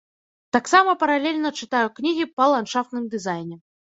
Таксама паралельна чытаю кнігі па ландшафтным дызайне.